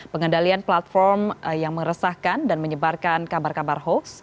pengendalian platform yang meresahkan dan menyebarkan kabar kabar hoax